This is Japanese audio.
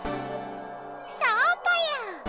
そうぽよ！